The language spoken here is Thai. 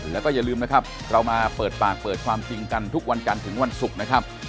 แล้วก็อย่าลืมนะครับเรามาเปิดปากเปิดความจริงกันทุกวันจันทร์ถึงวันศุกร์นะครับ